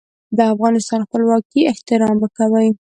د افغانستان خپلواکۍ احترام به کوي.